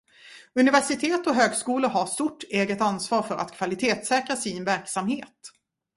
Universitet och högskolor har stort eget ansvar för att kvalitetssäkra sin verksamhet.